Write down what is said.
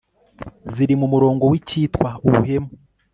ziri mu murongo w'icyitwa ubuhemu